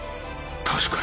確かに。